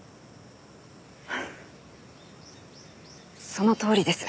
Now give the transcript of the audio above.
そのとおりです。